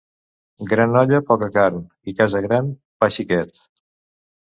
Gran olla, poca carn, i casa gran, pa xiquet.